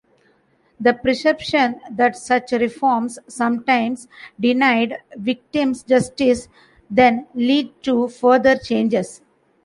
The perception that such reforms sometimes denied victims justice then led to further changes.